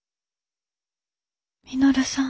稔さん。